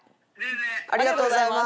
ありがとうございます。